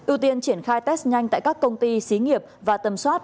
ưu tiên triển khai test nhanh tại các công ty xí nghiệp và tầm soát